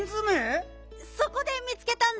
そこで見つけたんだよ。